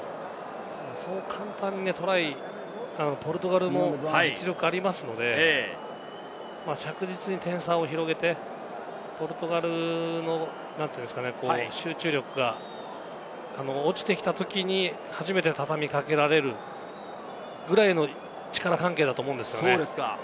そう簡単にポルトガルも実力がありますので、着実に点差を広げて、ポルトガルの集中力が落ちてきたときに初めてたたみかけられるぐらいの力関係だと思うんですがね。